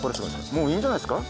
もういいんじゃないですか？